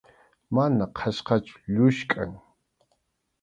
Mana qhachqachu, lluskʼam.